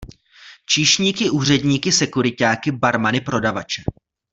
Číšníky, úředníky, sekuriťáky, barmany, prodavače.